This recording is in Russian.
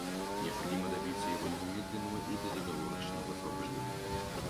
Необходимо добиться его немедленного и безоговорочного освобождения.